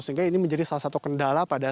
sehingga ini menjadi salah satu kendala pada